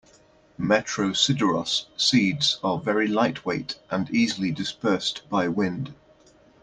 "Metrosideros" seeds are very light weight and easily dispersed by wind.